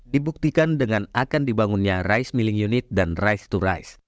dibuktikan dengan akan dibangunnya rice milling unit dan rice to rice